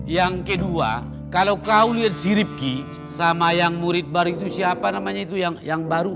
yang kedua kalau kau lihat ziripki sama yang murid baru itu siapa namanya itu yang baru